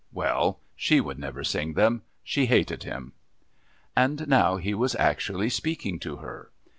Well, she would never sing them. She hated him. And now he was actually speaking to her.